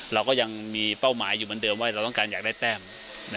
เราก็ยังมีเป้าหมายอยู่เหมือนเดิมว่าเราต้องการอยากได้แต้ม